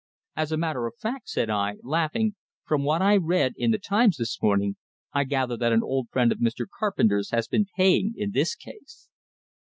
"As a matter of fact," said I, laughing, "from what I read in the 'Times' this morning, I gather that an old friend of Mr. Carpenter's has been paying in this case."